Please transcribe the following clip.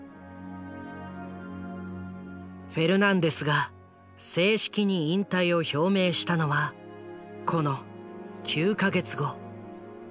フェルナンデスが正式に引退を表明したのはこの９か月後。